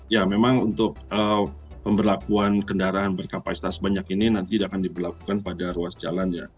ya memang untuk pemberlakuan kendaraan berkapasitas banyak ini nanti akan diberlakukan pada ruas jalan ya